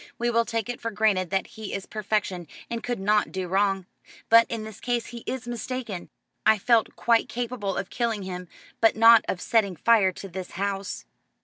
"We will take it for granted that he is perfection and could not do wrong. But in this case he is mistaken. I felt quite capable of killing him, but not of setting fire to this house."